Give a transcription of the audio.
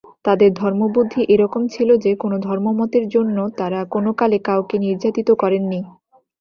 তাঁদের ধর্মবুদ্ধি এ-রকম ছিল যে, কোন ধর্মমতের জন্য তাঁরা কোনকালে কাউকে নির্যাতিত করেননি।